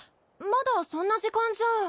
まだそんな時間じゃ。